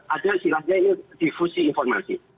ada istilahnya ini difusi informasi